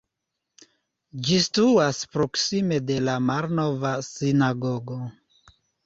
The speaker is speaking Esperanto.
Ĝi situas proksime de la malnova sinagogo.